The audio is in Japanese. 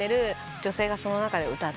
女性がその中で歌ってる。